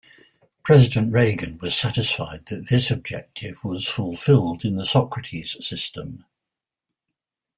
President Reagan was satisfied that this objective was fulfilled in the Socrates system.